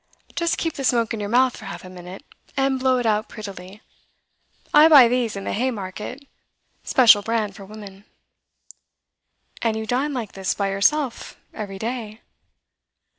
Just keep the smoke in your mouth for half a minute, and blow it out prettily. I buy these in the Haymarket; special brand for women.' 'And you dine like this, by yourself, every day?